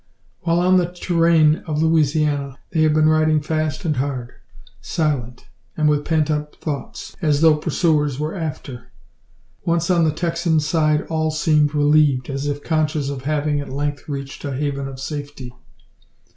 While on the terrain of Louisiana, they have been riding fast and hard silent, and with pent up thoughts, as though pursuers were after. Once on the Texan side all seem relieved, as if conscious of having at length reached a haven of safety.